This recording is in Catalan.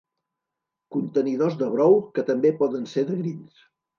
Contenidors de brou que també poden ser de grills.